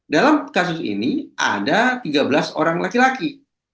dalam kasus ini ada tiga belas orang laki laki